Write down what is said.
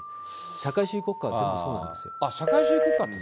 社会主義国家ってそうなんですか。